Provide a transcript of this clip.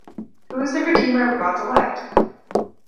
Who is the Redeemer of God’s elect?